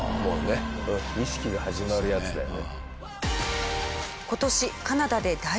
儀式が始まるやつだよね。